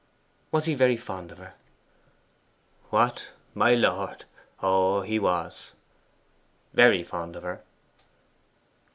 'Was he very fond of her?' 'What, my lord? Oh, he was!' 'VERY fond of her?